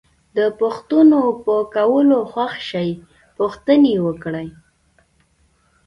د پوښتنو په کولو خوښ شئ پوښتنې وکړئ.